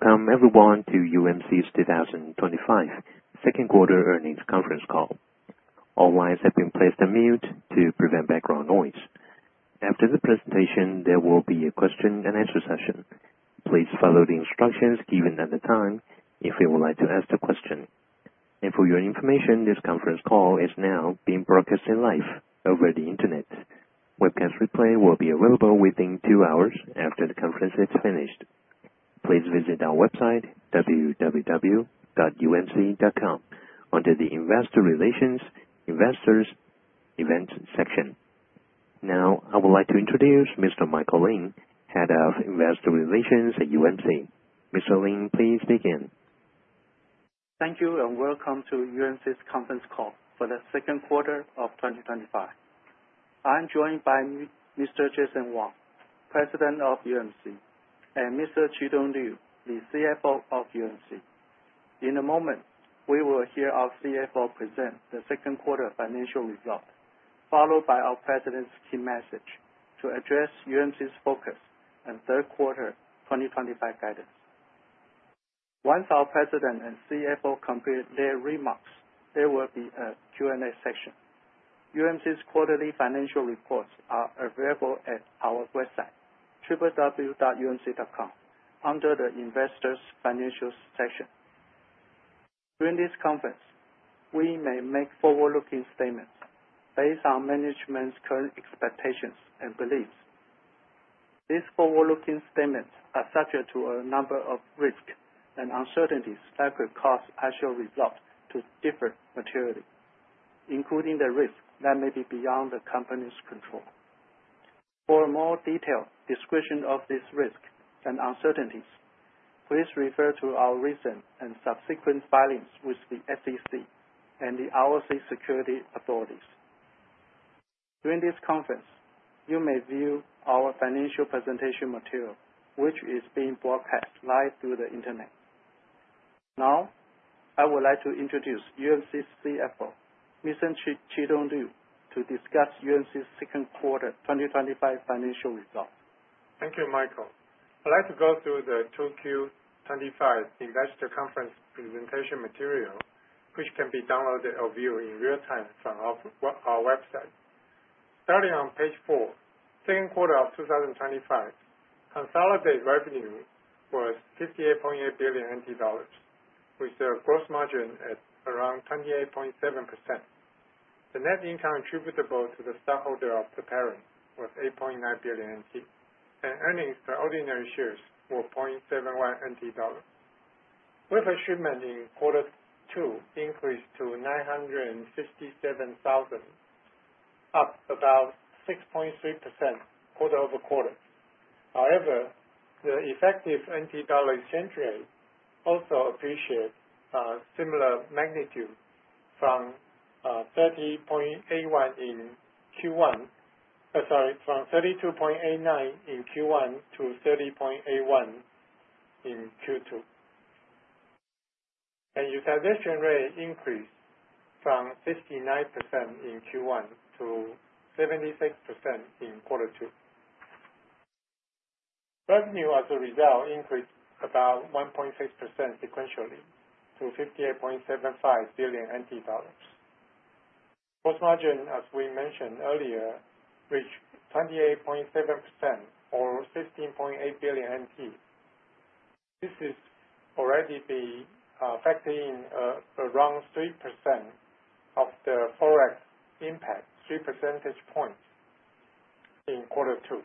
Welcome everyone to UMC's 2025 second quarter earnings conference call. All lines have been placed on mute to prevent background noise. After the presentation, there will be a question-and-answer session. Please follow the instructions given at the time if you would like to ask a question. For your information, this conference call is now being broadcast live over the Internet. Webcast replay will be available within two hours after the conference is finished. Please visit our website, www.umc.com, under the Investor Relations, Investors, Events section. Now, I would like to introduce Mr. Michael Lin, Head of Investor Relations at UMC. Mr. Lin, please begin. Thank you and welcome to UMC's conference call for the second quarter of 2025. I'm joined by Mr. Jason Wang, President of UMC, and Mr. Chi-Tung Liu, the CFO of UMC. In a moment, we will hear our CFO present the second quarter financial result, followed by our President's key message to address UMC's focus on third quarter 2025 guidance. Once our President and CFO complete their remarks, there will be a Q&A section. UMC's quarterly financial reports are available at our website, www.umc.com, under the Investors' Financial section. During this conference, we may make forward-looking statements based on management's current expectations and beliefs. These forward-looking statements are subject to a number of risks and uncertainties that could cause actual results to differ materially, including the risks that may be beyond the company's control. For a more detailed description of these risks and uncertainties, please refer to our recent and subsequent filings with the SEC and the Overseas Securities Authorities. During this conference, you may view our financial presentation material, which is being broadcast live through the Internet. Now, I would like to introduce UMC's CFO, Mr. Chi-Tung Liu, to discuss UMC's second quarter 2025 financial result. Thank you, Michael. I'd like to go through the 2Q 2025 Investor Conference presentation material, which can be downloaded or viewed in real time from our website. Starting on page four, second quarter of 2025, consolidated revenue was NTD 58.8 billion, with a gross margin at around 28 nm.7%. The net income attributable to the stockholder of the parent was NTD 8.9 billion, and earnings per ordinary shares were NTD 0.71. Wafer shipment in quarter two increased to 957,000, up about 6.3% quarter-over-quarter. However, the effective NT dollar exchange rate also appreciated, similar magnitude from 32.89 in Q1 to 30.81 in Q2. Utilization rate increased from 59% in Q1 to 76% in quarter two. Revenue, as a result, increased about 1.6% sequentially to NTD 58.75 billion. Gross margin, as we mentioned earlier, reached 28 nm.7% or NTD 16.8 billion. This is already factoring in around 3 percentage points of the forex impact in quarter two.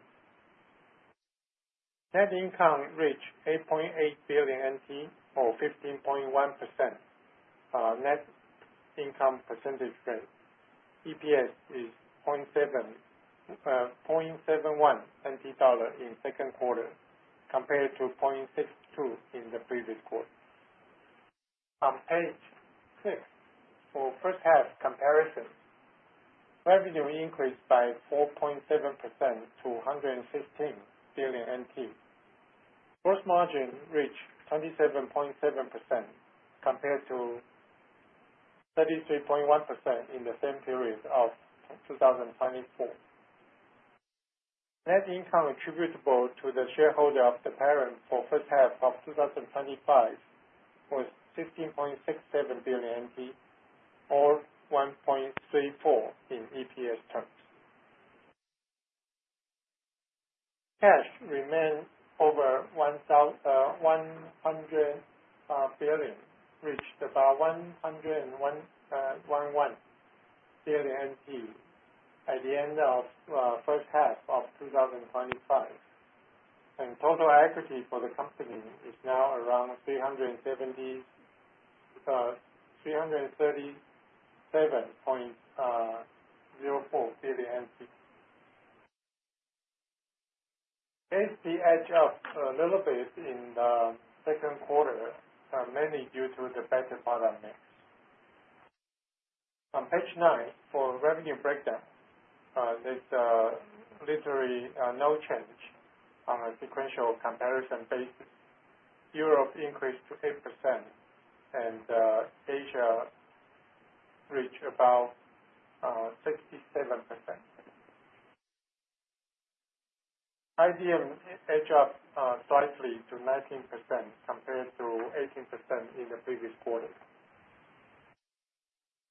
Net income reached NTD 8.8 billion or 15.1% net income percentage rate. EPS is NTD 0.71 in second quarter, compared to NTD 0.62 in the previous quarter. On page six for first half comparison, revenue increased by 4.7% to NTD 115 billion. Gross margin reached 27.7% compared to 33.1% in the same period of 2024. Net income attributable to the shareholder of the parent for first half of 2025 was NTD 16.67 billion or NTD 1.34 in EPS terms. Cash remained over NTD 100 billion, reached about NTD 101 billion at the end of first half of 2025. Total equity for the company is now around NTD 337.04 billion. ASP up a little bit in the second quarter, mainly due to the better product mix. On page nine for revenue breakdown, there's literally no change on a sequential comparison basis. Europe increased to 8%. Asia reached about 67%. IBM edged up slightly to 19% compared to 18% in the previous quarter.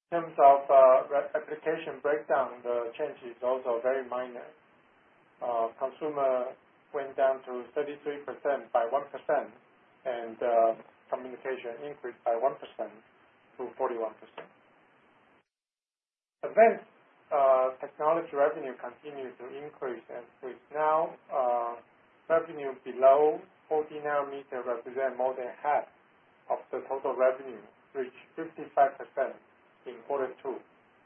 In terms of application breakdown, the change is also very minor. Consumer went down to 33% by 1%, and communication increased by 1%-41%. Advanced technology revenue continued to increase, and with now revenue below 40-nm representing more than half of the total revenue, reached 55% in quarter two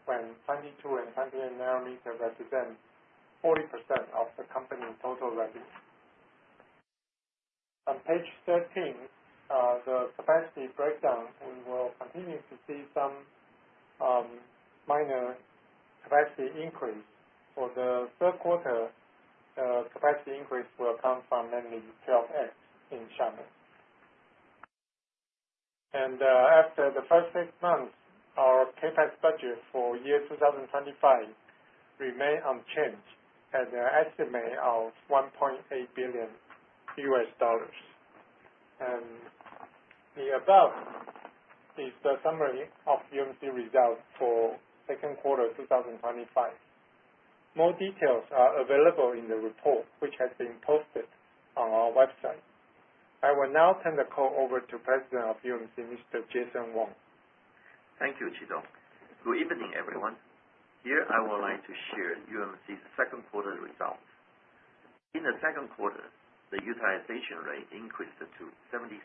when 28 nm represented 40% of the company's total revenue. On page 13, the capacity breakdown, we will continue to see some minor capacity increase. For the third quarter, the capacity increase will come from mainly the 12x in shopping. After the first six months, our CAPEX budget for year 2025 remained unchanged at an estimate of $1.8 billion. The above is the summary of UMC results for second quarter 2025. More details are available in the report, which has been posted on our website. I will now turn the call over to President of UMC, Mr. Jason Wang. Thank you, Chi-Tung. Good evening, everyone. Here, I would like to share UMC's second quarter results. In the second quarter, the utilization rate increased to 76%,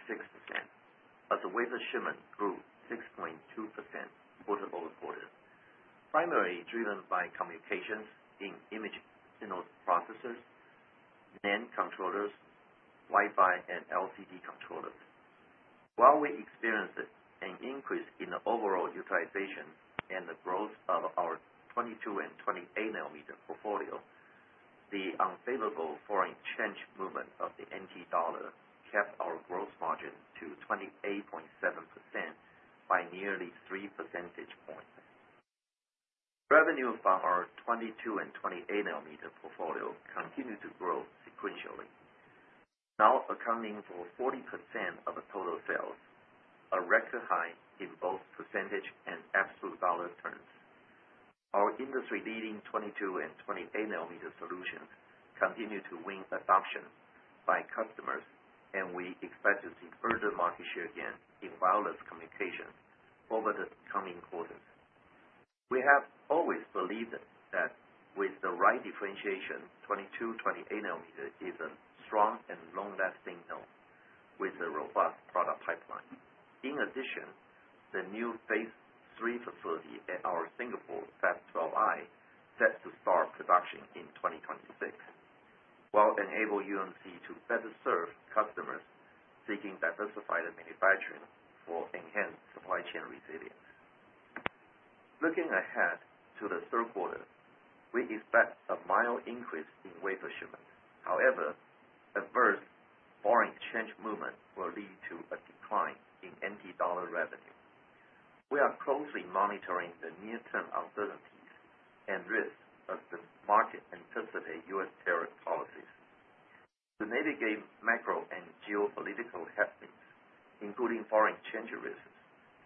but the wafer shipment grew 6.2% quarter-over-quarter, primarily driven by communications in image signal processors, NAND controllers, Wi-Fi, and LCD controllers. While we experienced an increase in the overall utilization and the growth of our 28 nm portfolio, the unfavorable foreign exchange movement of the NT dollar kept our gross margin to 28 nm.7% by nearly 3 percentage points. Revenue from our 28 nm portfolio continued to grow sequentially, now accounting for 40% of the total sales, a record high in both percentage and absolute dollar terms. Our industry-leading 28 nm solutions continue to win adoption by customers, and we expect to see further market share gains in wireless communications over the coming quarters. We have always believed that with the right 28 nm is a strong and long-lasting node with a robust product pipeline. In addition, the new Phase III facility at our Singapore FAST 12i is set to start production in 2026, while it enables UMC to better serve customers seeking diversified manufacturing for enhanced supply chain resilience. Looking ahead to the third quarter, we expect a mild increase in wafer shipment. However, adverse foreign exchange movement will lead to a decline in NT dollar revenue. We are closely monitoring the near-term uncertainties and risks as the market anticipates US tariff policies. To mitigate macro and geopolitical happenings, including foreign exchange risks,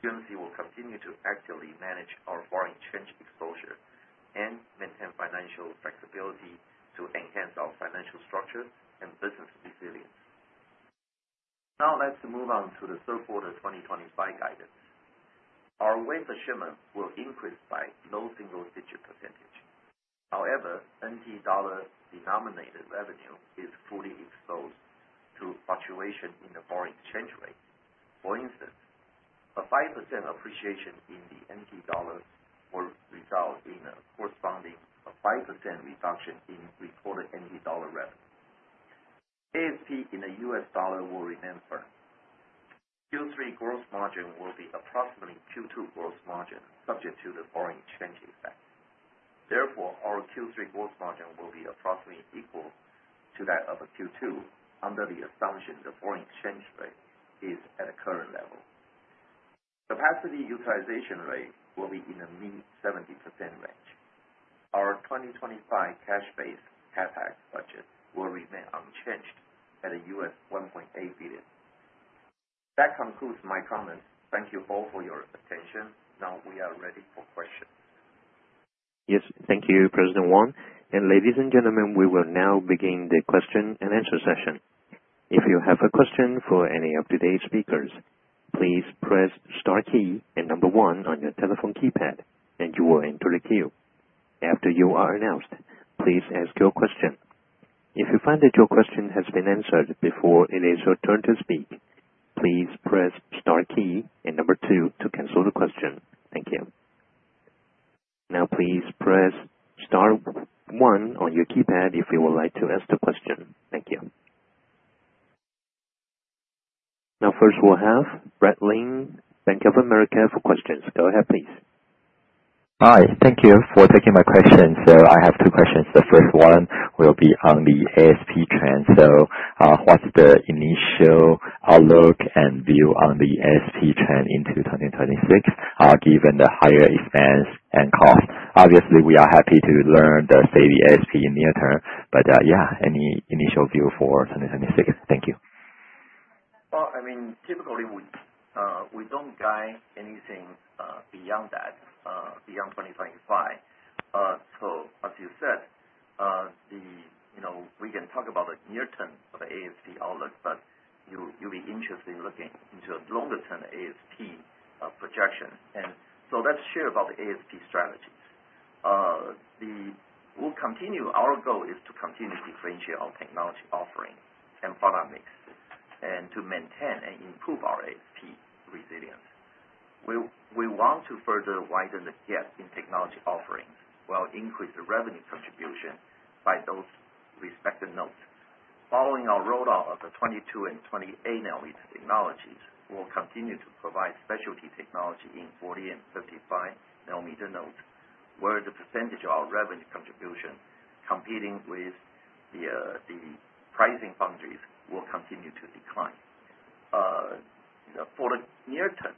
UMC will continue to actively manage our foreign exchange exposure and maintain financial flexibility to enhance our financial structure and business resilience. Now, let's move on to the third quarter 2025 guidance. Our wafer shipment will increase by low single-digit percentage. However, NT dollar denominated revenue is fully exposed to fluctuation in the foreign exchange rate. For instance, a 5% appreciation in the NT dollar will result in a corresponding 5% reduction in reported NT dollar revenue. ASP in the US dollar will remain firm. Q3 gross margin will be approximately Q2 gross margin, subject to the foreign exchange effect. Therefore, our Q3 gross margin will be approximately equal to that of Q2 under the assumption the foreign exchange rate is at a current level. Capacity utilization rate will be in the mid-70% range. Our 2025 cash-based CAPEX budget will remain unchanged at $1.8 billion. That concludes my comments. Thank you all for your attention. Now, we are ready for questions. Yes, thank you, President Wang. Ladies and gentlemen, we will now begin the question-and-answer session. If you have a question for any of today's speakers, please press the star key and number one on your telephone keypad, and you will enter the queue. After you are announced, please ask your question. If you find that your question has been answered before it is your turn to speak, please press the star key and number two to cancel the question. Thank you. Now, please press star one on your keypad if you would like to ask a question. Thank you. First, we will have Brad Lin, Bank of America, for questions. Go ahead, please. Hi. Thank you for taking my question. I have two questions. The first one will be on the ASP trend. What is the initial outlook and view on the ASP trend into 2026, given the higher expense and cost? Obviously, we are happy to learn the state of the ASP in the near term, but yeah, any initial view for 2026? Thank you. I mean, typically, we do not guide anything beyond that, beyond 2025. As you said, we can talk about the near-term of the ASP outlook, but you will be interested in looking into a longer-term ASP projection. Let us share about the ASP strategies. Our goal is to continue to differentiate our technology offering and product mix and to maintain and improve our ASP resilience. We want to further widen the gap in technology offerings while increasing the revenue contribution by those respective nodes. Following our rollout of the 28 nm technologies, we will continue to provide specialty technology in 40-nm and 35-nm nodes, where the percentage of our revenue contribution competing with the pricing boundaries will continue to decline. For the near term,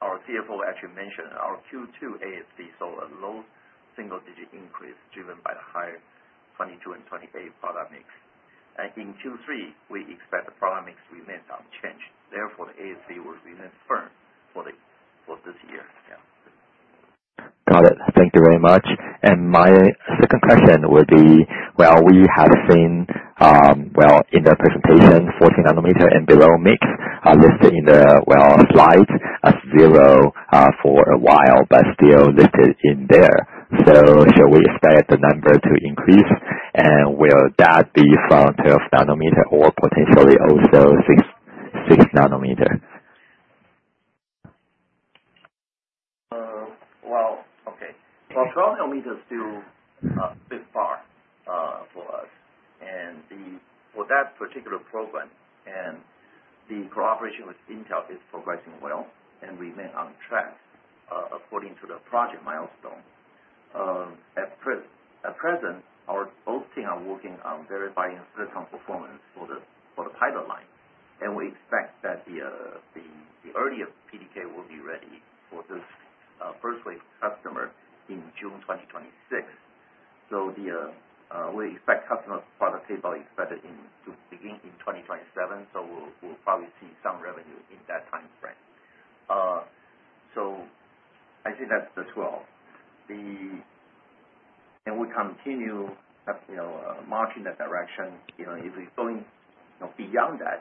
our CFO actually mentioned our Q2 ASP saw a low single-digit increase driven by the higher 28 nm product mix. In Q3, we expect the product mix remains unchanged. Therefore, the ASP will remain firm for this year. Yeah. Got it. Thank you very much. My second question would be, we have seen in the presentation 14-nm and below mix listed in the slides as zero for a while, but still listed in there. Should we expect the number to increase, and will that be from 12-nm or potentially also 6-nm? Okay. 12-nm still fits for us. For that particular program, the cooperation with Intel is progressing well and remains on track according to the project milestone. At present, our hosting are working on verifying silicon performance for the pilot line. We expect that the earliest PDK will be ready for this first wave customer in June 2026. We expect customer product tape-out to begin in 2027, so we'll probably see some revenue in that time frame. I think that's the twelve. We continue marching in that direction. If we go beyond that,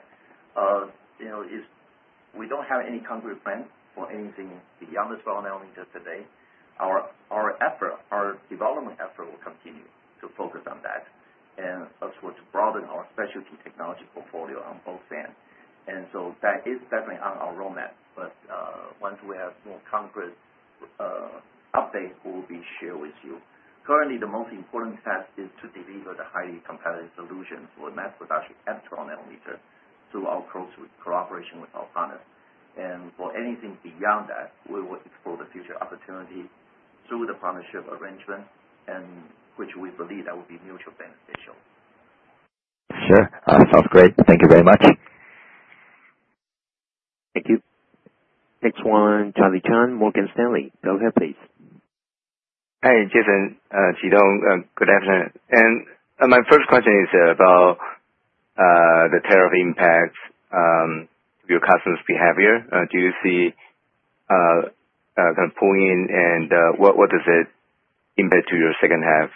we don't have any concrete plan for anything beyond the twelve nanometer today. Our development effort will continue to focus on that and also to broaden our specialty technology portfolio on both ends. That is definitely on our roadmap. Once we have more concrete updates, they will be shared with you. Currently, the most important task is to deliver the highly competitive solution for mass production at twelve nanometer through our close cooperation with our partners. For anything beyond that, we will explore the future opportunity through the partnership arrangement, which we believe will be mutually beneficial. Sure. Sounds great. Thank you very much. Thank you. Next one, Charlie Chan, Morgan Stanley. Go ahead, please. Hi, Jason, Chi-Tung. Good afternoon. My first question is about the tariff impact. Your customers' behavior, do you see kind of pulling in, and what does it impact your second-half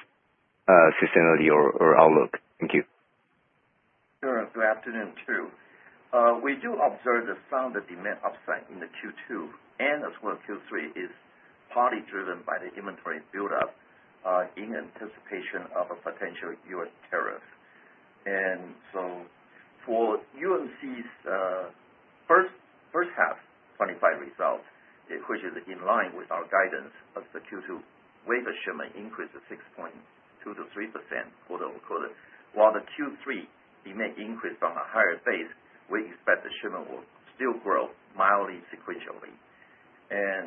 sustainability or outlook? Thank you. Sure. Good afternoon, too. We do observe the stronger demand upside in Q2, and as well as Q3, is partly driven by the inventory build-up in anticipation of a potential U.S. tariff. For UMC's first half 2025 results, which is in line with our guidance of the Q2 wafer shipment increase of 6.2%-3%, quote-unquote, while the Q3 demand increased on a higher base, we expect the shipment will still grow mildly sequentially. There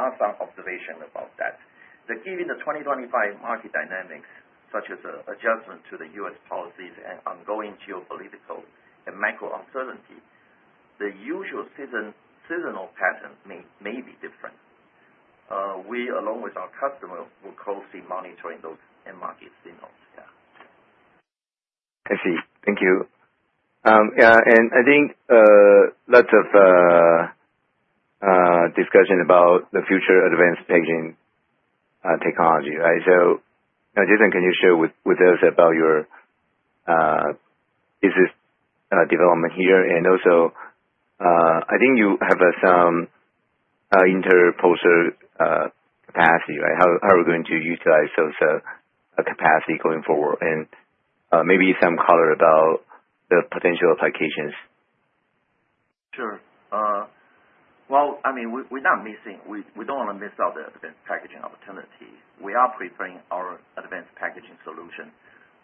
are some observations about that. Given the 2025 market dynamics, such as adjustment to the U.S. policies and ongoing geopolitical and macro uncertainty, the usual seasonal pattern may be different. We, along with our customers, will closely monitor those market signals. Yeah. I see. Thank you. Yeah. I think lots of discussion about the future advanced packaging technology, right? Jason, can you share with us about your business development here? I think you have some interposer capacity, right? How are we going to utilize those capacities going forward? Maybe some color about the potential applications. Sure. I mean, we're not missing. We don't want to miss out the advanced packaging opportunities. We are preparing our advanced packaging solution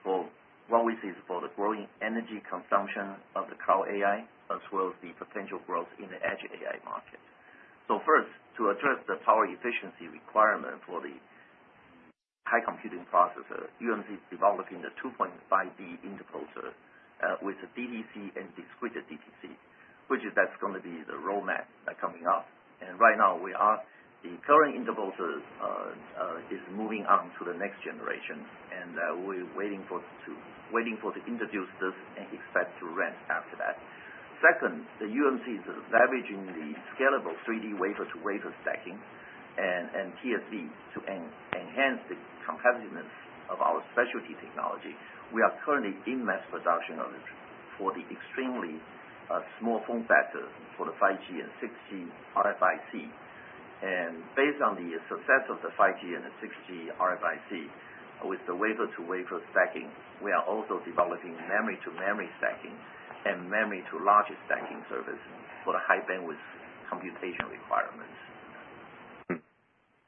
for what we see is for the growing energy consumption of the cloud AI, as well as the potential growth in the edge AI market. First, to address the power efficiency requirement for the high-computing processor, UMC is developing the 2.5D interposer with a DTC and discrete DTC, which is going to be the roadmap coming up. Right now, the current interposer is moving on to the next generation, and we're waiting to introduce this and expect to ramp after that. Second, UMC is leveraging the scalable 3D wafer-to-wafer stacking and TSV to enhance the competitiveness of our specialty technology. We are currently in mass production for the extremely small form factor for the 5G and 6G RFIC. Based on the success of the 5G and the 6G RFIC with the wafer-to-wafer stacking, we are also developing memory-to-memory stacking and memory-to-larger stacking service for the high bandwidth computation requirements.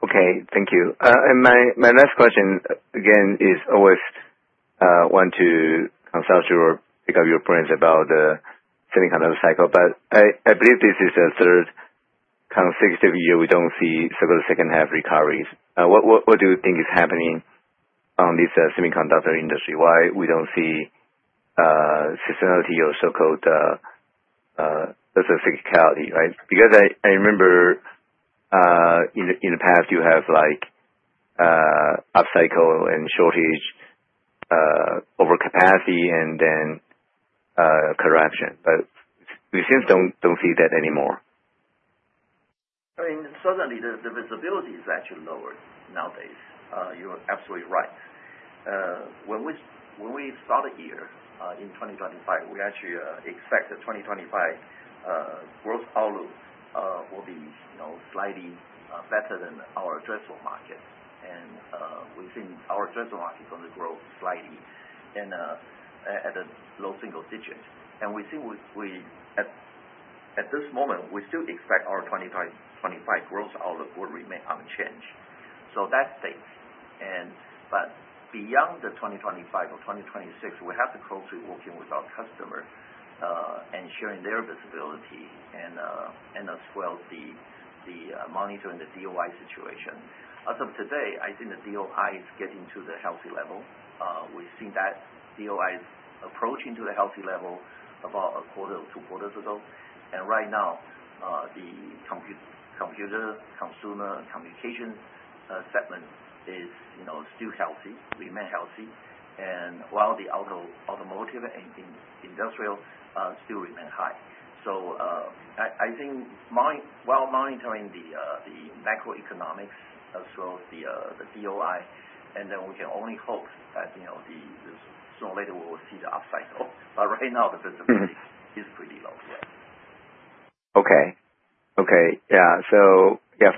Okay. Thank you. My last question, again, is always. Want to consult you or pick up your points about the semiconductor cycle. I believe this is the third consecutive year we do not see so-called second-half recoveries. What do you think is happening on this semiconductor industry? Why do we not see sustainability or so-called specificality, right? I remember in the past, you have upcycle and shortage, overcapacity, and then correction. We seem to do not see that anymore. I mean, certainly, the visibility is actually lower nowadays. You're absolutely right. When we started here in 2025, we actually expect the 2025 gross outlook will be slightly better than our addressable market. We've seen our addressable market is going to grow slightly, at a low-single-digjt. At this moment, we still expect our 2025 gross outlook will remain unchanged. That stays. Beyond 2025 or 2026, we have to closely work with our customer, sharing their visibility as well as monitoring the DOI situation. As of today, I think the DOI is getting to the healthy level. We've seen that DOI is approaching the healthy level about a quarter or two quarters ago. Right now, the computer consumer communication segment is still healthy, remains healthy, while the automotive and industrial still remain high. I think while monitoring the macroeconomics as well as the DOI, we can only hope that sooner or later we will see the upcycle. Right now, the visibility is pretty low. Yeah. Okay. Okay. Yeah. So yeah,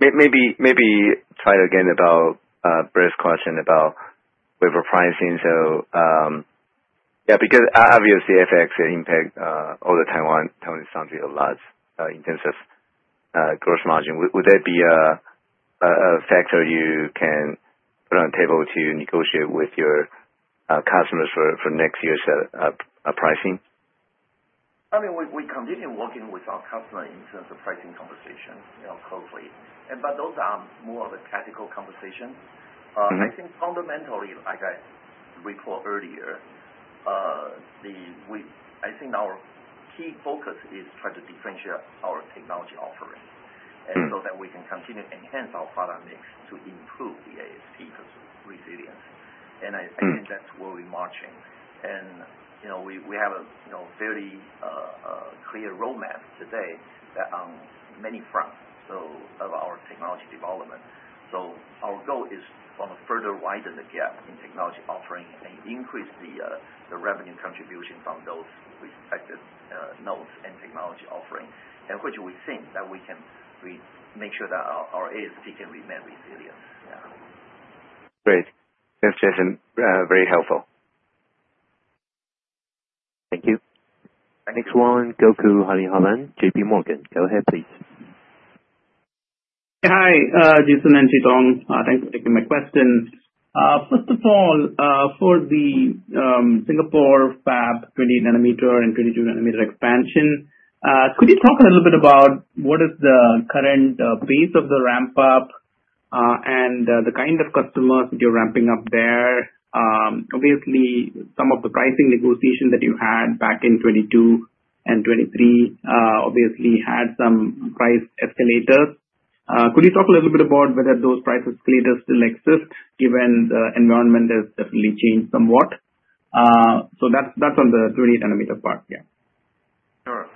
maybe try it again about Brad's question about wafer pricing. So, yeah, because obviously, FX impacts all the Taiwan sounds a lot in terms of gross margin. Would that be a factor you can put on the table to negotiate with your customers for next year's pricing? I mean, we continue working with our customers in terms of pricing conversation, closely. Those are more of a tactical conversation. I think fundamentally, like I reported earlier, I think our key focus is trying to differentiate our technology offering so that we can continue to enhance our product mix to improve the ASP resilience. I think that's where we're marching. We have a fairly clear roadmap today on many fronts of our technology development. Our goal is to further widen the gap in technology offering and increase the revenue contribution from those respective nodes and technology offering, which we think that we can make sure that our ASP can remain resilient. Yeah. Great. Thanks, Jason. Very helpful. Thank you. Next one, Gokul Hariharan, JPMorgan. Go ahead, please. Hi, Jason and Chi-Tung. Thanks for taking my question. First of all, for the Singapore fab 20-nm and 22 nm expansion, could you talk a little bit about what is the current pace of the ramp-up, and the kind of customers that you're ramping up there? Obviously, some of the pricing negotiations that you had back in 2022 and 2023 obviously had some price escalators. Could you talk a little bit about whether those price escalators still exist, given the environment has definitely changed somewhat? That is on the 20-nm part. Yeah. Sure.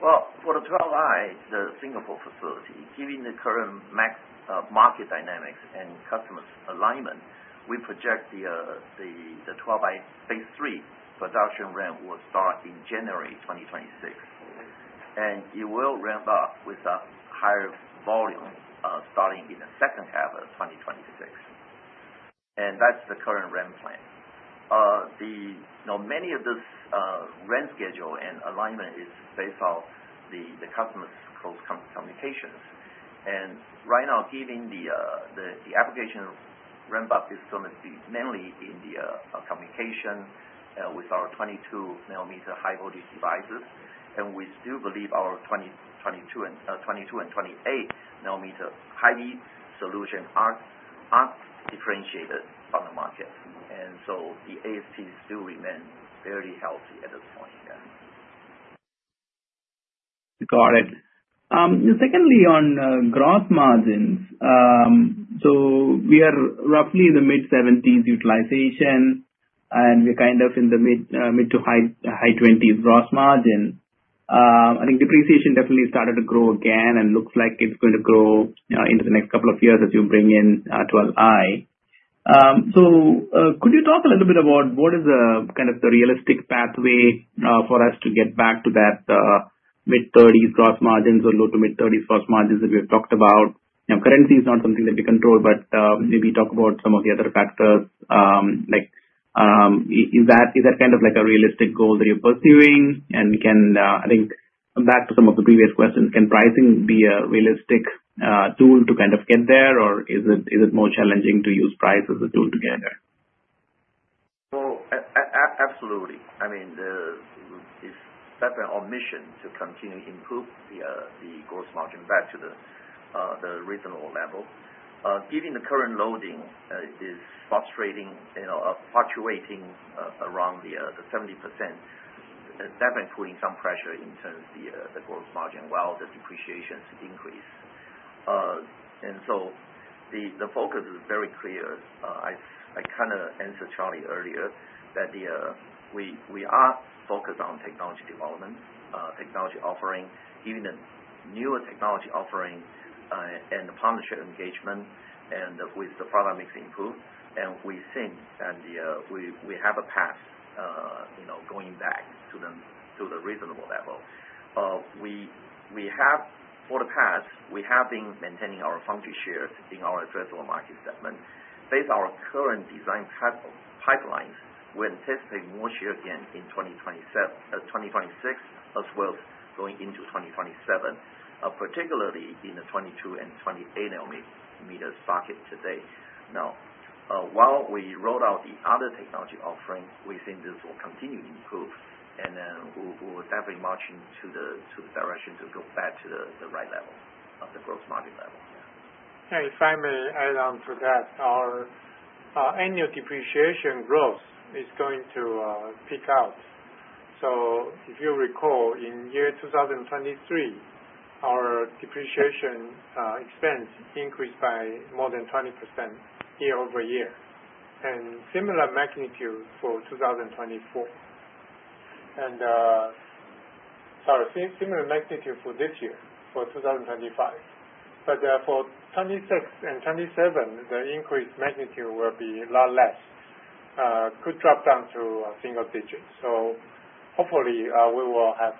For the 12i in the Singapore facility, given the current market dynamics and customers' alignment, we project the 12i Phase III production ramp will start in January 2026. It will ramp up with a higher volume starting in the second half of 2026. That is the current ramp plan. Many of this ramp schedule and alignment is based on the customers' closed communications. Right now, given the application ramp-up is going to be mainly in the communication with our 22 nm high-voltage devices. We still believe our 28 nm high-speed solutions are differentiated from the market. The ASP still remains fairly healthy at this point. Yeah. Got it. Secondly, on gross margins. We are roughly in the mid-70% utilization, and we are kind of in the mid to high 20% gross margin. I think depreciation definitely started to grow again and looks like it is going to grow into the next couple of years as you bring in 12i. Could you talk a little bit about what is kind of the realistic pathway for us to get back to that mid-30% gross margins or low to mid-30% gross margins that we have talked about? Currency is not something that we control, but maybe talk about some of the other factors. Is that kind of a realistic goal that you are pursuing? I think back to some of the previous questions, can pricing be a realistic tool to kind of get there, or is it more challenging to use price as a tool to get there? Absolutely. I mean, it's definitely our mission to continue to improve the gross margin back to the reasonable level. Given the current loading, it is frustrating, fluctuating around the 70%. Definitely putting some pressure in terms of the gross margin while the depreciations increase. The focus is very clear. I kind of answered Charlie earlier that we are focused on technology development, technology offering, even the newer technology offering. The partnership engagement and with the product mix improved, we think that we have a path going back to the reasonable level. For the past, we have been maintaining our foundry shares in our addressable market segment. Based on our current design pipelines, we anticipate more shares again in 2026 as well as going into 2027, particularly in the 28 nm market today. Now, while we rolled out the other technology offering, we think this will continue to improve, and we will definitely march into the direction to go back to the right level, the gross margin level. Yeah. Yeah. If I may add on to that, our annual depreciation growth is going to peak out. If you recall, in year 2023, our depreciation expense increased by more than 20% year-over-year, and similar magnitude for 2024. Sorry, similar magnitude for this year, for 2025. For 2026 and 2027, the increased magnitude will be a lot less. Could drop down to a single digit. Hopefully, we will have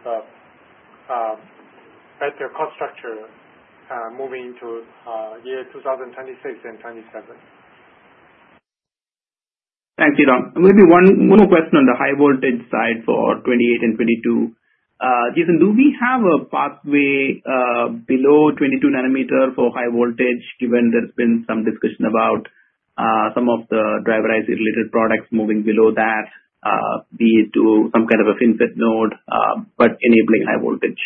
a better cost structure moving into year 2026 and 2027. Thanks, Chi-Tung. Maybe one more question on the high-voltage side for 28 nm 22 nm. jason, do we have a pathway below 22 nm for high voltage, given there's been some discussion about some of the driver IC-related products moving below that, be it to some kind of a finFET node, but enabling high voltage?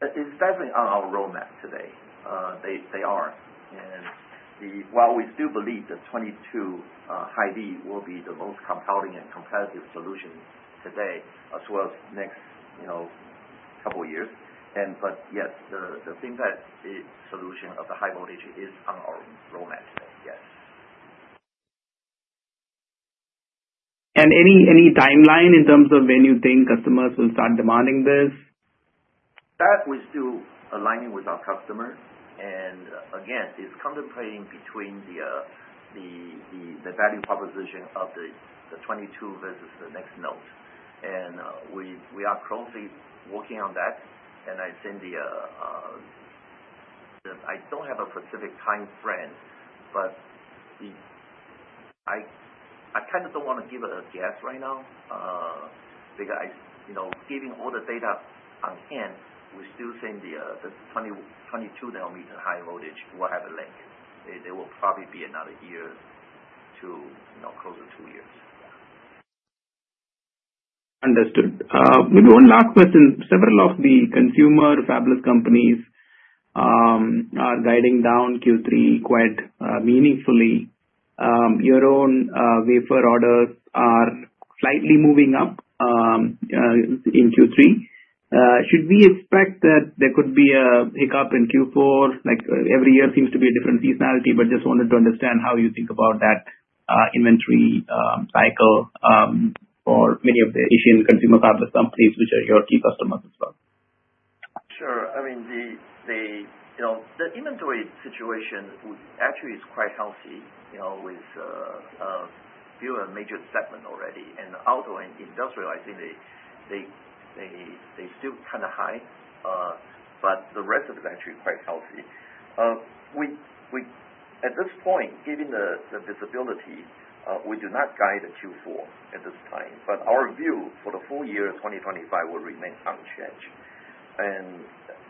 It's definitely on our roadmap today. They are. While we still believe 22 nm high V will be the most compelling and competitive solution today as well as the next couple of years, yes, the finFET solution of the high voltage is on our roadmap today. Yes. Any timeline in terms of when you think customers will start demanding this? We're still aligning with our customers. It's contemplating between the value proposition 22 nm versus the next node. We are closely working on that. I don't have a specific timeframe, but I kind of don't want to give a guess right now. Given all the data on hand, we still think the 22 nm high voltage will have a link. There will probably be another year to close to two years. Understood. Maybe one last question. Several of the consumer fabless companies are guiding down Q3 quite meaningfully. Your own wafer orders are slightly moving up in Q3. Should we expect that there could be a hiccup in Q4? Every year seems to be a different seasonality, but just wanted to understand how you think about that inventory cycle. For many of the Asian consumer fabless companies, which are your key customers as well. Sure. I mean, the inventory situation actually is quite healthy with fewer major segments already. Outdoor and industrial, I think, they're still kind of high, but the rest of it is actually quite healthy. At this point, given the visibility, we do not guide a Q4 at this time. Our view for the full year 2025 will remain unchanged.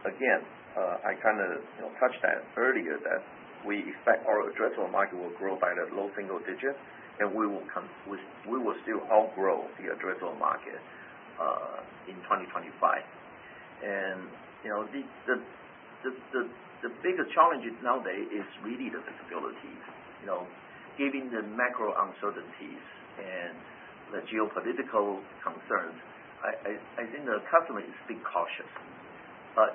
Again, I kind of touched on that earlier, that we expect our addressable market will grow by the low-single-digjt, and we will still outgrow the addressable market in 2025. The biggest challenge nowadays is really the visibility. Given the macro uncertainties and the geopolitical concerns, I think the customers are still cautious.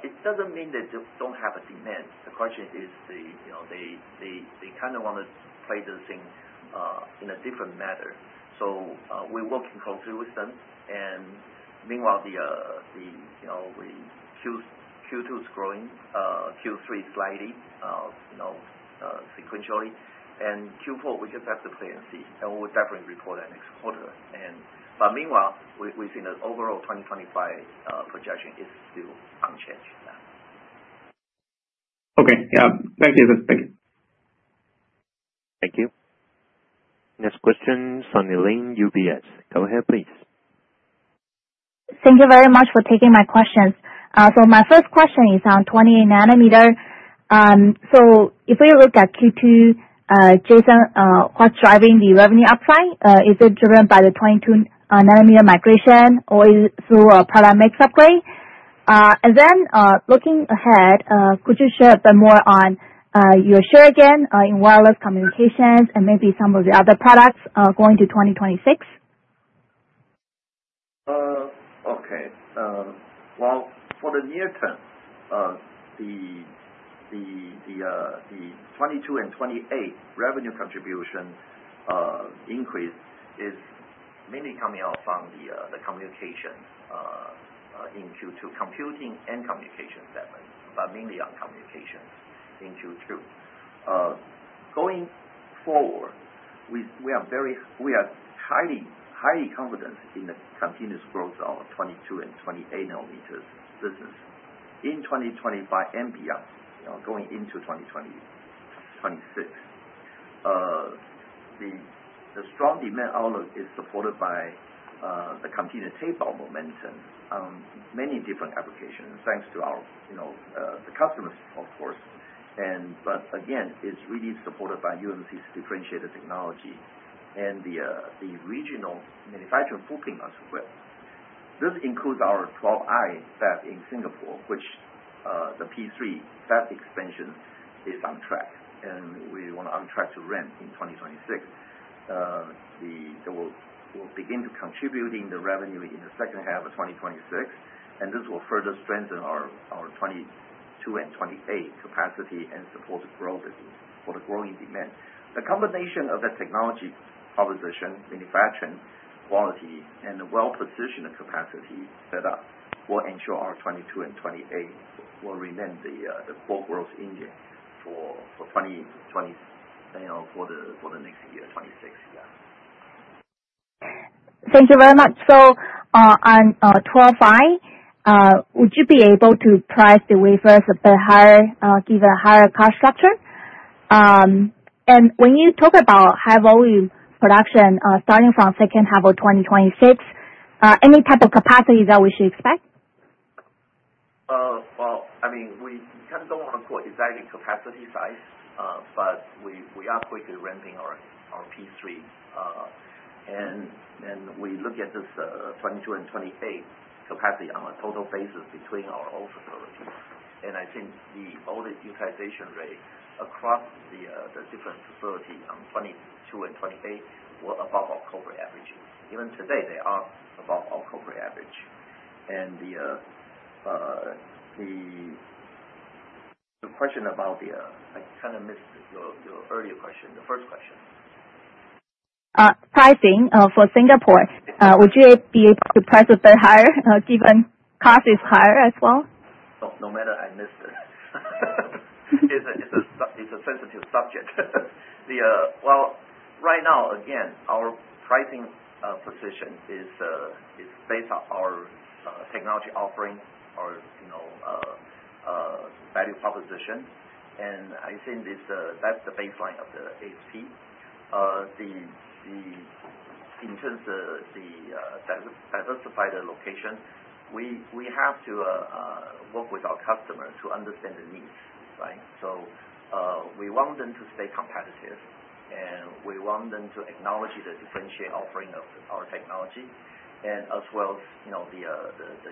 It does not mean they do not have a demand. The question is, they kind of want to play this thing in a different manner. We are working closely with them. Meanwhile, Q2 is growing, Q3 is sliding sequentially, and Q4, we just have to play and see. We will definitely report that next quarter. Meanwhile, we think the overall 2025 projection is still unchanged. Yeah. Okay. Yeah. Thank you, Jason. Thank you. Thank you. Next question, Sunny Lin, UBS. Go ahead, please. Thank you very much for taking my questions. My first question is on 20 nm. If we look at Q2, Jason, what's driving the revenue upside? Is it driven by the 22 nm migration or through a product mix upgrade? Looking ahead, could you share a bit more on your share again in wireless communications and maybe some of the other products going to 2026? Okay. 22 nm and 28 nm revenue contribution increase is mainly coming out from the communications. In Q2, computing and communications segments, but mainly on communications in Q2. Going forward, we are highly confident in 22 nm and 28 nm business in 2025 and beyond, going into 2026. The strong demand outlook is supported by the computer tape ball momentum on many different applications, thanks to the customers, of course. Again, it is really supported by UMC's differentiated technology and the regional manufacturing footprint as well. This includes our 12i fab in Singapore, which the P3 fab expansion is on track, and we are on track to ramp in 2026. It will begin to contribute in the revenue in the second half of 2026, and this 22 nm and 28 nm capacity and support for the growing demand. The combination of that technology proposition, manufacturing quality, and the well-positioned 22 nm and 28 nm will remain the core growth engine for the next year, 2026. Yeah. Thank you very much. On 12i, would you be able to price the wafers a bit higher, given a higher cost structure? When you talk about high-volume production starting from the second half of 2026, is there any type of capacity that we should expect? I mean, we kind of do not want to quote exactly capacity size, but we are quickly ramping our P3. We look at 22 nm and 28 nm capacity on a total basis between our own facilities. I think the older utilization rate across the different facilities 22 nm and 28 nm were above our corporate averages. Even today, they are above our corporate average. The question about the—I kind of missed your earlier question, the first question. Pricing for Singapore, would you be able to price a bit higher given cost is higher as well? Oh, no matter, I missed it. It's a sensitive subject. Right now, again, our pricing position is based on our technology offering, our value proposition. I think that's the baseline of the ASP. In terms of the diversified location, we have to work with our customers to understand the needs, right? We want them to stay competitive, and we want them to acknowledge the differentiated offering of our technology, as well as the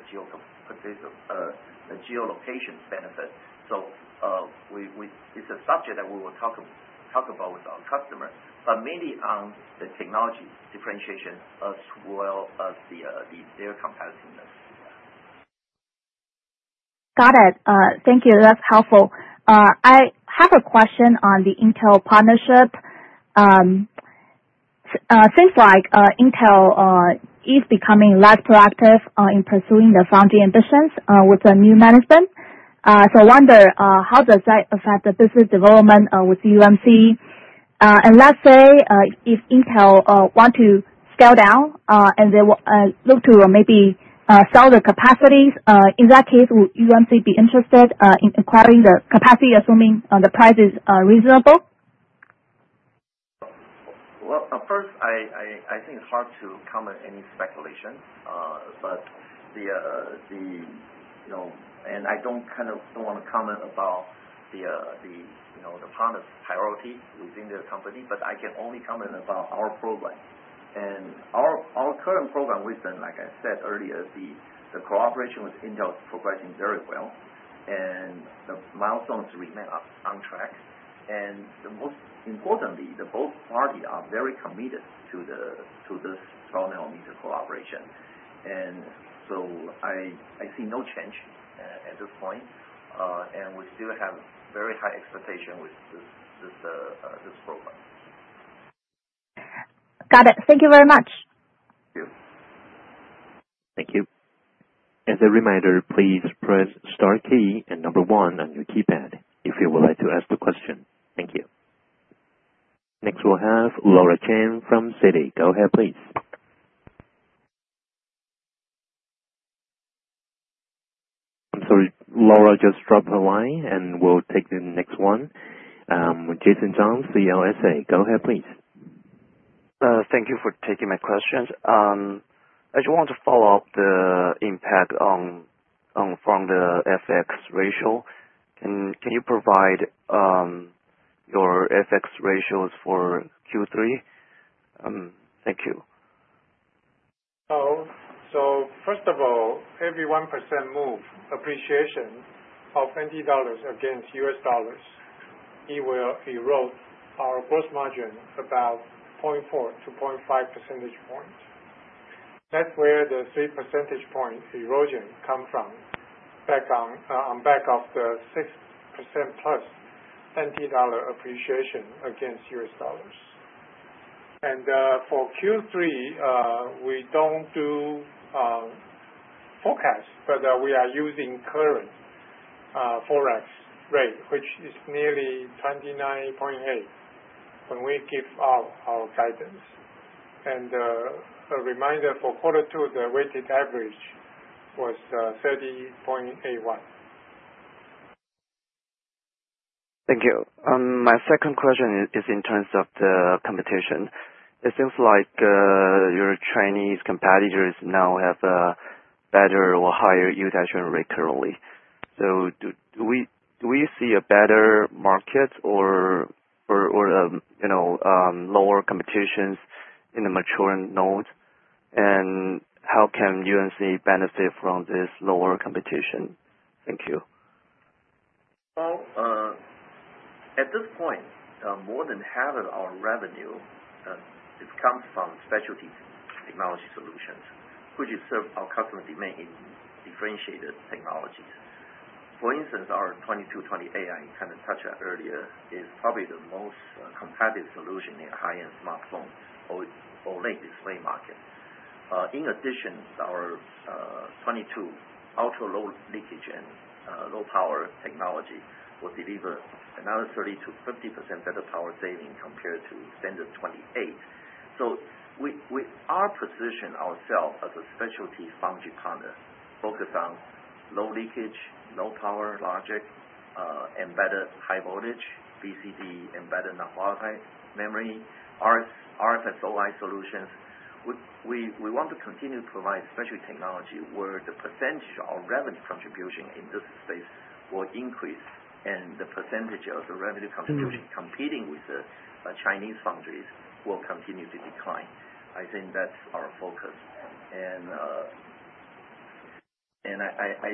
geolocation benefit. It's a subject that we will talk about with our customers, but mainly on the technology differentiation as well as their competitiveness. Got it. Thank you. That's helpful. I have a question on the Intel partnership. Seems like Intel is becoming less proactive in pursuing the foundry ambitions with the new management. I wonder, how does that affect the business development with UMC? Let's say if Intel wants to scale down and they look to maybe sell the capacities, in that case, would UMC be interested in acquiring the capacity assuming the price is reasonable? I think it's hard to comment on any speculation, but I don't kind of want to comment about the partners' priority within the company. I can only comment about our program, and our current program with them, like I said earlier, the cooperation with Intel is progressing very well, and the milestones remain on track. Most importantly, both parties are very committed to this 12-nm collaboration. I see no change at this point, and we still have very high expectations with this program. Got it. Thank you very much. Thank you. Thank you. As a reminder, please press the star key and number 1 on your keypad if you would like to ask the question. Thank you. Next, we'll have Laura Chen from Citi. Go ahead, please. I'm sorry. Laura just dropped the line, and we'll take the next one. Jason Zhang, CLSA. Go ahead, please. Thank you for taking my questions. I just want to follow up the impact on, from the FX ratio. Can you provide your FX ratios for Q3? Thank you. First of all, every 1% move appreciation of NTD against US dollars will erode our gross margin about 0.4-0.5 percentage points. That is where the 3 percentage point erosion comes from, on back of the 6%+ NTD appreciation against US dollars. For Q3, we do not do forecast, but we are using current forex rate, which is nearly 29.8 when we give out our guidance. A reminder for quarter two, the weighted average was 30.81. Thank you. My second question is in terms of the competition. It seems like your Chinese competitors now have a better or higher usage rate currently. Do we see a better market or lower competition in the mature node? How can UMC benefit from this lower competition? Thank you. At this point, more than half of our revenue comes from specialty technology solutions, which serve our customer demand in differentiated technologies. For instance, our 22 nm 28 nm AI, kind of touched on earlier, is probably the most competitive solution in high-end smartphones or OLED display market. In addition, 22 nm ultra-low leakage and low power technology will deliver another 30%-50% better power saving compared to standard 28 nm. With our position ourselves as a specialty foundry partner, focused on low leakage, low power logic, embedded high voltage, BCD, embedded non-volatile memory, RFSOI solutions. We want to continue to provide specialty technology where the percentage of revenue contribution in this space will increase, and the percentage of the revenue contribution competing with the Chinese foundries will continue to decline. I think that's our focus. I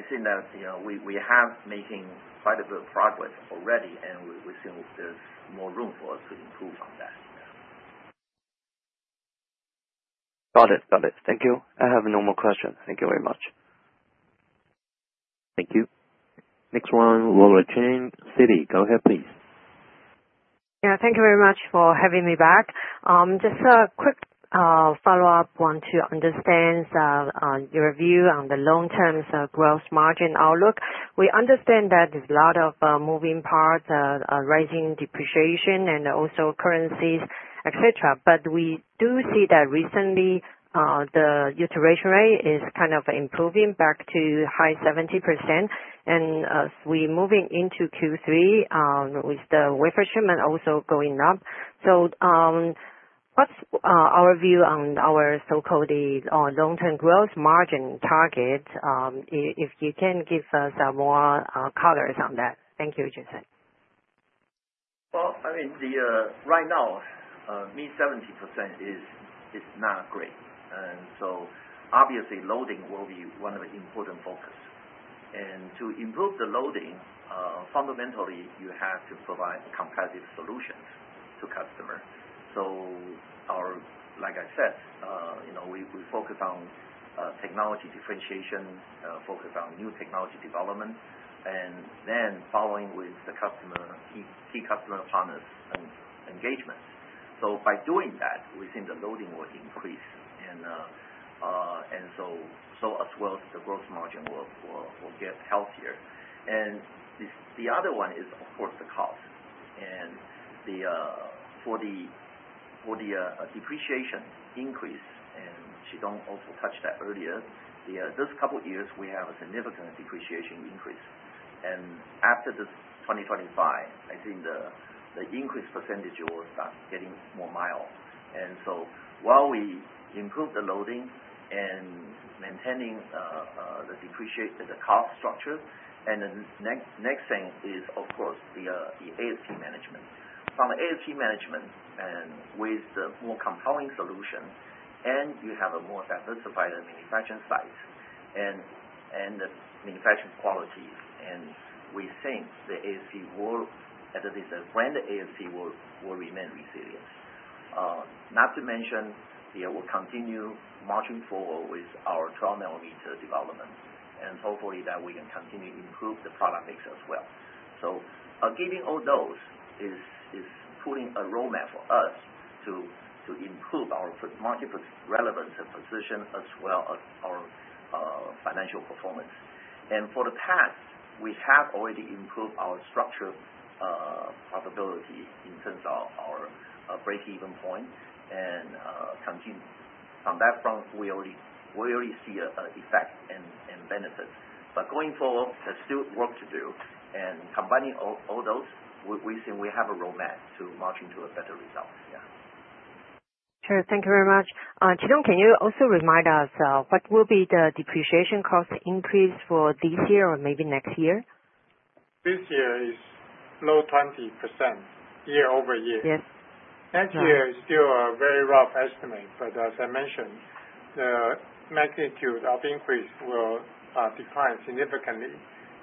think that we have made quite a bit of progress already, and we think there's more room for us to improve on that. Got it. Got it. Thank you. I have no more questions. Thank you very much. Thank you. Next one, Laura Chen, Citi. Go ahead, please. Yeah. Thank you very much for having me back. Just a quick follow-up. I want to understand your view on the long-term gross margin outlook. We understand that there's a lot of moving parts, rising depreciation, and also currencies, etc. But we do see that recently the utilization rate is kind of improving back to high 70%. As we're moving into Q3 with the wafer shipment also going up. What's our view on our so-called long-term gross margin target? If you can give us more colors on that. Thank you, Jason. Right now, mid 70% is not great. Obviously, loading will be one of the important focuses. To improve the loading, fundamentally, you have to provide competitive solutions to customers. Like I said, we focus on technology differentiation, focus on new technology development, and then following with the key customer partners' engagements. By doing that, we think the loading will increase. As well, the gross margin will get healthier. The other one is, of course, the cost. For the depreciation increase, and Chi-Tung also touched that earlier, this couple of years, we have a significant depreciation increase. After 2025, I think the increase percentage will start getting more mild. While we improve the loading and maintain the cost structure, the next thing is, of course, the ASP management. From the ASP management and with the more compelling solution, and you have a more diversified manufacturing site and the manufacturing qualities, we think the ASP will, at least the branded ASP will, remain resilient. Not to mention, we'll continue marching forward with our 12-nm development, and hopefully we can continue to improve the product mix as well. Giving all those is putting a roadmap for us to improve our market relevance and position as well as our financial performance. For the past, we have already improved our structure, probability in terms of our break-even point. From that front, we already see an effect and benefit. Going forward, there's still work to do. Combining all those, we think we have a roadmap to march into a better result. Yeah. Sure. Thank you very much. Chi-Tung, can you also remind us what will be the depreciation cost increase for this year or maybe next year? This year is low 20% year-over-year. Next year is still a very rough estimate, but as I mentioned. The magnitude of increase will decline significantly,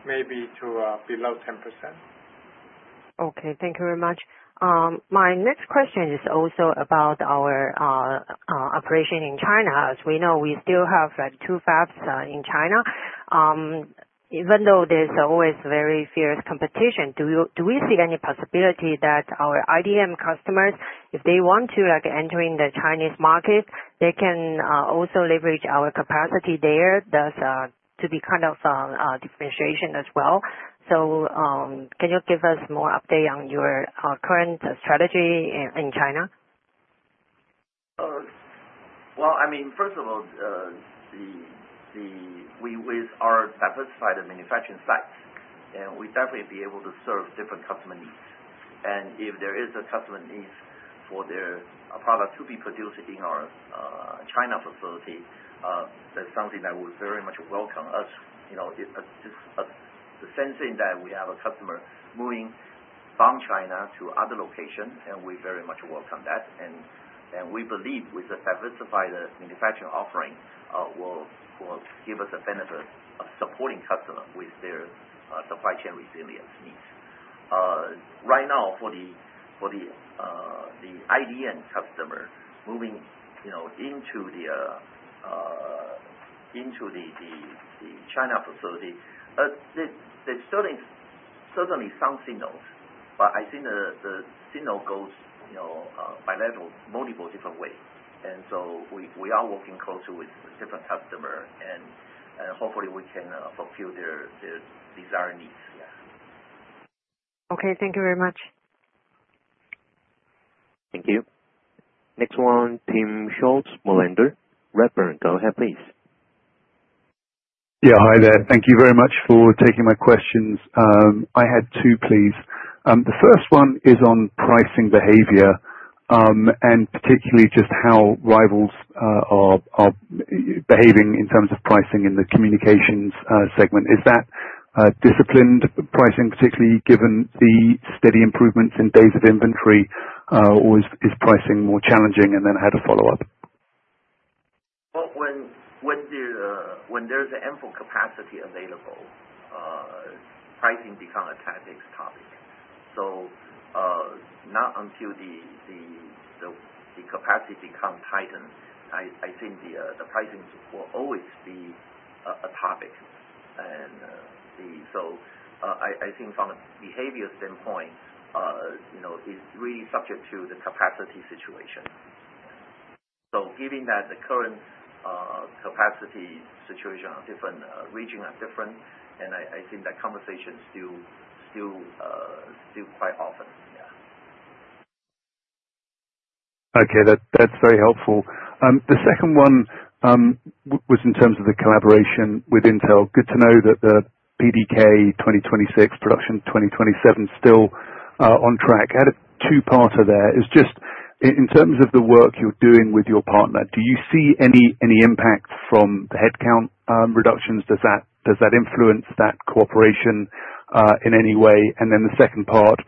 maybe to below 10%. Okay. Thank you very much. My next question is also about our operation in China. As we know, we still have two fabs in China. Even though there's always very fierce competition, do we see any possibility that our IDM customers, if they want to enter in the Chinese market, they can also leverage our capacity there to be kind of differentiation as well? Can you give us more update on your current strategy in China? First of all, with our diversified manufacturing sites, we definitely are able to serve different customer needs. If there is a customer need for their product to be produced in our China facility, that is something that will very much welcome us. The same thing if we have a customer moving from China to other locations, we very much welcome that. We believe the diversified manufacturing offering will give us a benefit of supporting customers with their supply chain resilience needs. Right now, for the IDM customer moving into the China facility, there are certainly some signals, but I think the signal goes bilateral, multiple different ways. We are working closely with different customers, and hopefully we can fulfill their desired needs. Yeah. Okay. Thank you very much. Thank you. Next one, Tim Schultz Molender, Redburn, go ahead, please. Yeah. Hi there. Thank you very much for taking my questions. I had two, please. The first one is on pricing behavior. Particularly, just how rivals are behaving in terms of pricing in the communications segment. Is that disciplined pricing, particularly given the steady improvements in days of inventory, or is pricing more challenging? I had a follow-up. When there's ample capacity available, pricing becomes a topic. Not until the capacity becomes tightened, I think the pricing will always be a topic. I think from a behavior standpoint, it's really subject to the capacity situation. Given that the current capacity situation, regions are different, and I think that conversation still happens quite often. Yeah. Okay. That's very helpful. The second one was in terms of the collaboration with Intel. Good to know that the PDK 2026 production 2027 is still on track. I had a two-parter there. It's just in terms of the work you're doing with your partner, do you see any impact from the headcount reductions? Does that influence that cooperation in any way? The second part,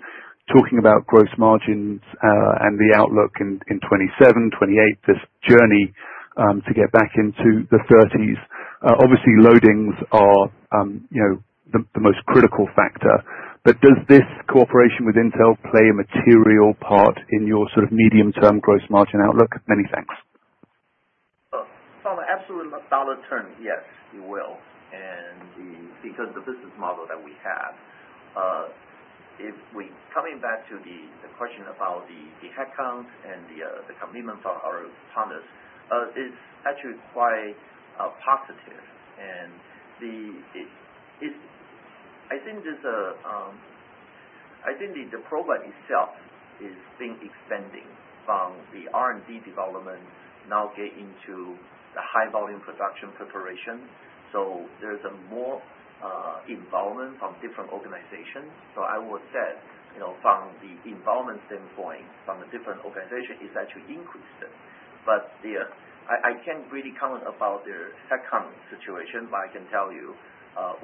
talking about gross margins and the outlook in 2027, 2028, this journey to get back into the 30s. Obviously, loadings are the most critical factor. Does this cooperation with Intel play a material part in your sort of medium-term gross margin outlook? Many thanks. On an absolute dollar term, yes, it will. Because of the business model that we have. Coming back to the question about the headcount and the commitment from our partners, it's actually quite positive. I think there's a, I think the product itself is being expanding from the R&D development, now getting into the high-volume production preparation. There's more involvement from different organizations. I would say from the involvement standpoint, from the different organizations, it's actually increased. I can't really comment about their headcount situation, but I can tell you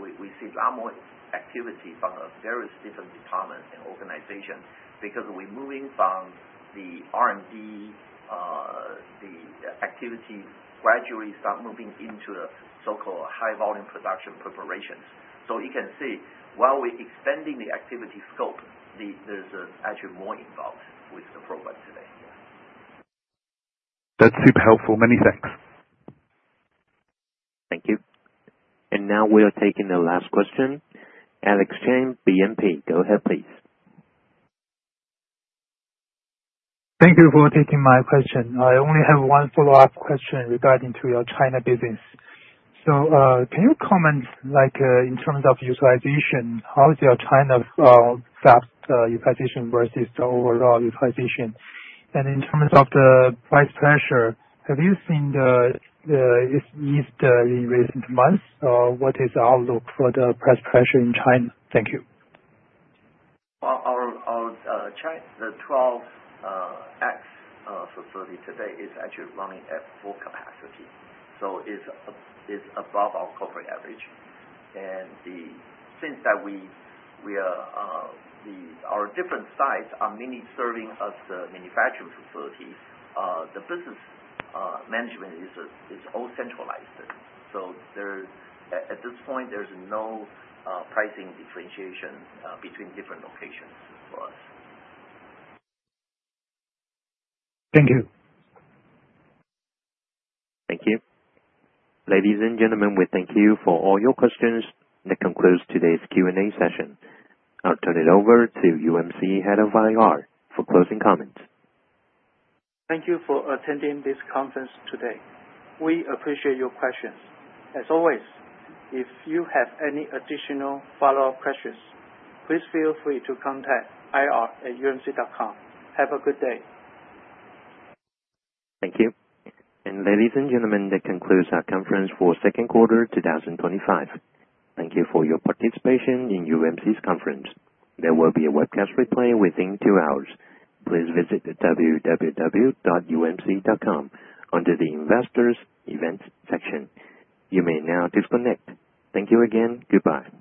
we see a lot more activity from various different departments and organizations because we're moving from the R&D activity, gradually start moving into the so-called high-volume production preparations. You can see while we're expanding the activity scope, there's actually more involved with the program today. That's super helpful. Many thanks. Thank you. Now we are taking the last question. Alex Cheng, BNP Paribas, go ahead, please. Thank you for taking my question. I only have one follow-up question regarding your China business. Can you comment in terms of utilization? How is your China fab utilization versus the overall utilization? In terms of the price pressure, have you seen it eased in recent months? What is the outlook for the price pressure in China? Thank you. Our 12x facility today is actually running at full capacity. It is above our corporate average. Since our different sites are mainly serving as the manufacturing facilities, the business management is all centralized. At this point, there is no pricing differentiation between different locations for us. Thank you. Thank you. Ladies and gentlemen, we thank you for all your questions. That concludes today's Q&A session. I'll turn it over to UMC Head of IR for closing comments. Thank you for attending this conference today. We appreciate your questions. As always, if you have any additional follow-up questions, please feel free to contact ir@umc.com. Have a good day. Thank you. Ladies and gentlemen, that concludes our conference for second quarter 2025. Thank you for your participation in UMC's conference. There will be a webcast replay within two hours. Please visit www.umc.com under the Investors Events section. You may now disconnect. Thank you again. Goodbye.